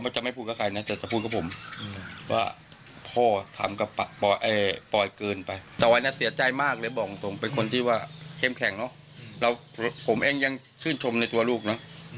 จ่อยนะเศร้าใจมากเลยบอกจริงเป็นคนที่เข้มแข็งเนาะผมเอยังชื่นชมในตัวลูกเนาะ